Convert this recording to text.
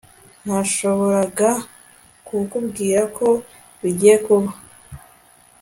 Nashoboraga kukubwira ko bigiye kuba